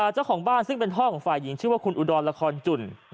เจ้าของบ้านซึ่งเป็นพ่อของฝ่ายหญิงชื่อว่าคุณอุดรละครจุ่น